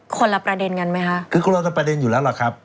คนละประเด็นกันไหมคะคือคนละประเด็นอยู่แล้วล่ะครับ